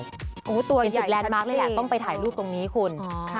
เป็นตึกแลนดมาร์คเลยแหละต้องไปถ่ายรูปตรงนี้คุณ